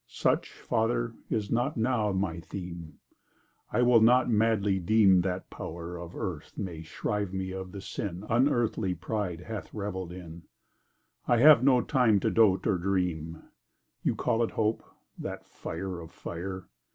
Such, father, is not (now) my theme— I will not madly deem that power Of Earth may shrive me of the sin Unearthly pride hath revell'd in— I have no time to dote or dream: You call it hope—that fire of fire!